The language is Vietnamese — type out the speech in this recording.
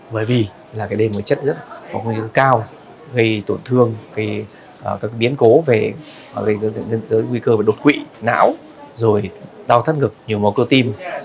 bởi vì là đây là một chất rất cao gây tổn thương gây biến cố gây nguy cơ đột quỵ não rồi đau thắt ngực nhiều mối cơ tim